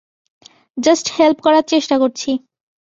Just help করার চেষ্টা করছি।